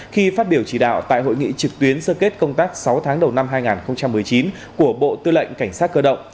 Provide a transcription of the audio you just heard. khi phát biểu chỉ đạo tại hội nghị trực tuyến sơ kết công tác sáu tháng đầu năm hai nghìn một mươi chín của bộ tư lệnh cảnh sát cơ động